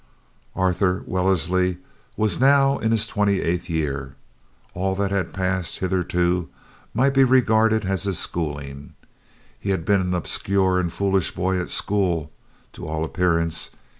Arthur Wellesley was now in his twenty eighth year. All that had passed hitherto might be regarded as his schooling. He had been an obscure and "foolish" boy at school (to all appearance).